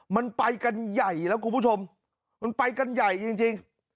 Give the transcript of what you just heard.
มันไปกันใหญ่แล้วคุณผู้ชมมันไปกันใหญ่จริง